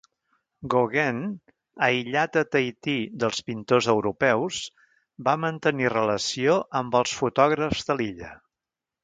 Gauguin, aïllat a Tahití dels pintors europeus, va mantenir relació amb els fotògrafs de l'illa.